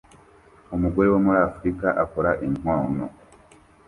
Umugore wo muri Afurika akora inkono